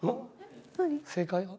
正解は？